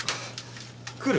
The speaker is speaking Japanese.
来る？